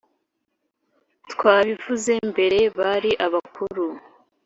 twabivuze mbere bari abakuru